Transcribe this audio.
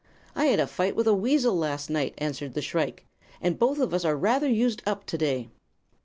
"'I had a fight with a weasel last night,' answered the shrike, 'and both of us are rather used up, today.'